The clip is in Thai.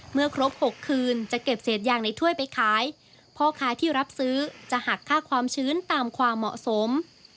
เมื่อครบ๖คืนจะเก็บเศษยางในถ้วยไปขายพ่อค้าที่รับซื้อจะหักค่าความชื้นตามความเหมาะสม